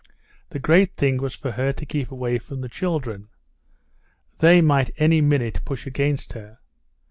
The great thing was for her to keep away from the children—they might any minute push against her.